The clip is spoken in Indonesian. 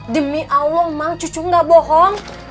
demi allah emang cucu gak bohong